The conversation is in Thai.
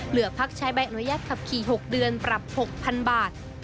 เหลือพักใช้ใบอนุญาตขับขี่๖เดือนปรับ๖๐๐๐บาท